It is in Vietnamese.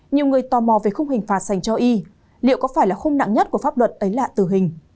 nhiều người tò mò về khung hình phạt dành cho y liệu có phải là khung nặng nhất của pháp luật ấy là tử hình